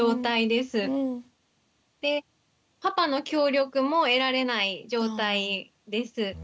でパパの協力も得られない状態です。